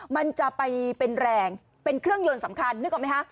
มันจะไปเป็นแรงเป็นเครื่องยนต์สำคัญนึกออกไหมคะ